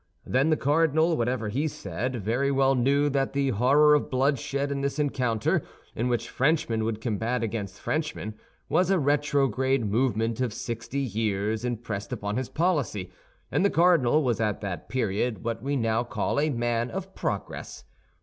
Then the cardinal, whatever he said, very well knew that the horror of bloodshed in this encounter, in which Frenchman would combat against Frenchman, was a retrograde movement of sixty years impressed upon his policy; and the cardinal was at that period what we now call a man of progress.